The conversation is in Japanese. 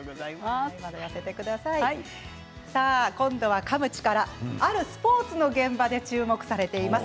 今度はかむ力あるスポーツの現場で注目されています。